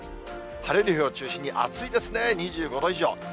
晴れる日を中心に暑いですね、２５度以上。